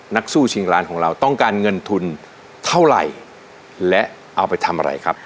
นักสู้ชิงร้านของเราต้องการเงินทุนเท่าไหร่และเอาไปทำอะไรครับ